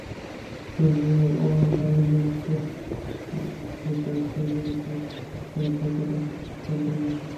তবু অবাঙালি ম্যাজিস্ট্রেট নোমানি তাঁর দমননীতির অনাচার যতটা সম্ভব চালিয়ে গেছেন।